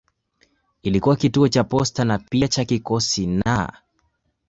Ilikuwa kituo cha posta na pia cha kikosi na.